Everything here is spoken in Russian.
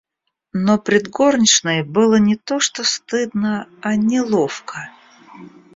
Но пред горничной было не то что стыдно, а неловко.